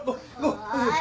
はい。